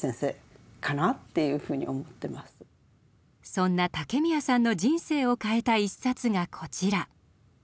そんな竹宮さんの人生を変えた一冊がこちら。